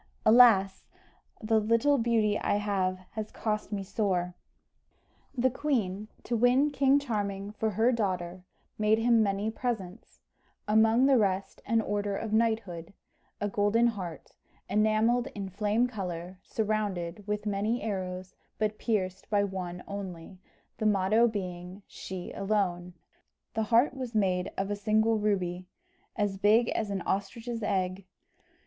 Alas! the little beauty I have has cost me sore!" The queen, to win King Charming for her daughter, made him many presents; among the rest an order of knighthood, a golden heart, enamelled in flame colour, surrounded with many arrows, but pierced by one only, the motto being, "She alone." The heart was made of a single ruby, as big as an ostrich's egg.